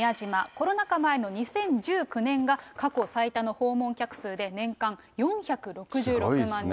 コロナ禍前の２０１９年が過去最多の訪問客数で、年間４６６万人。